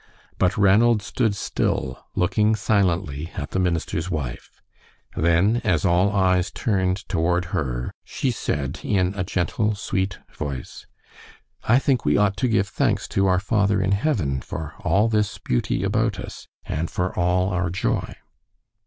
But Ranald stood still, looking silently at the minister's wife. Then, as all eyes turned toward her, she said, in a gentle, sweet voice, "I think we ought to give thanks to our Father in heaven for all this beauty about us and for all our joy."